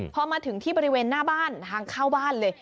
พอมาถึงที่บริเวณหน้าบ้านทางเข้าบ้านเลย